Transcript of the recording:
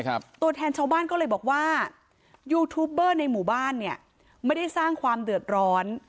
ตัวแทนชาวบ้านก็เลยบอกว่ายูทูปเบอร์ในหมู่บ้านเนี่ยไม่ได้สร้างความเดือดร้อน